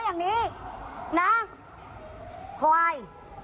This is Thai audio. อย่างนี้นะควาย